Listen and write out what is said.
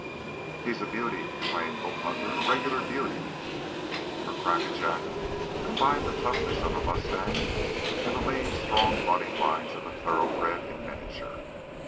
"He's a beauty," exclaimed Bull Hunter. "A regular beauty!" For Crackajack combined the toughness of a mustang and the lean, strong running lines of a thoroughbred in miniature.